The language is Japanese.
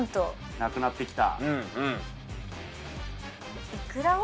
なくなってきた。